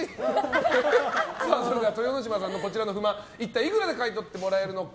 それでは豊ノ島さんの不満一体いくらで買い取ってもらえるのか。